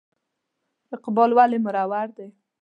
اقبال ولې مرور دی ؟